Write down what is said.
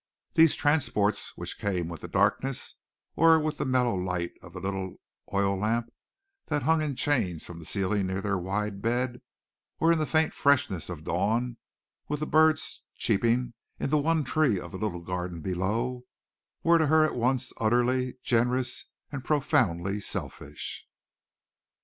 These transports which came with the darkness, or with the mellow light of the little oil lamp that hung in chains from the ceiling near their wide bed, or in the faint freshness of dawn with the birds cheeping in the one tree of the little garden below were to her at once utterly generous and profoundly selfish.